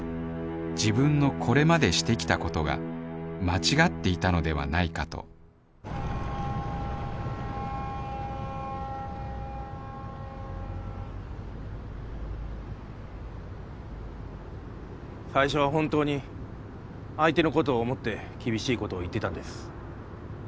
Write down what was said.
自分のこれまでしてきたことが間違っていたのではないかと最初は本当に相手のことを思って厳しいことを言ってたんです。